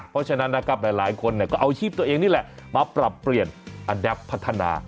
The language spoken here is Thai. เพราะฉะนั้นนะครับหลายคนก็เอาชีพตัวเองนี่แหละมาปรับเปลี่ยนอันดับพัฒนา